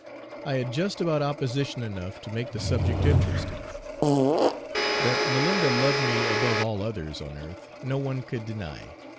I had just about opposition enough to make the subject interesting. That Malinda loved me above all others on earth, no one could deny.